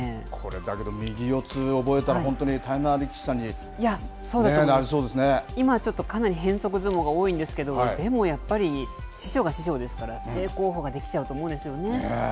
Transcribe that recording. だけど右四つ覚えたら本当に大変な力士さんに今ちょっとかなり変則相撲が多いんですけどでもやっぱり師匠が師匠ですから正攻法ができちゃうと思うんですよね。